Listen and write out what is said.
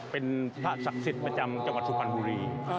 เป็นพระศักดิ์สิทธิ์ประจำจังหวัดสุพรรณบุรี